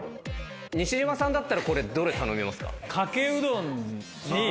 西島さんだったらこれどれ頼みますか？